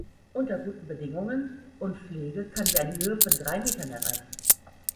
Unter guten Bedingungen und Pflege kann sie eine Höhe von drei Metern erreichen.